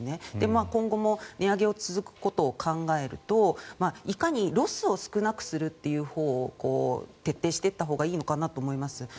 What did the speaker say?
今後も値上げが続くことを考えるといかにロスを少なくするという方向を徹底していったほうがいいと思います。